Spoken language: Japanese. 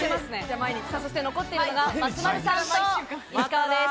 そして残っているのが松丸さんと石川です。